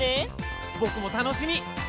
ぼくもたのしみ！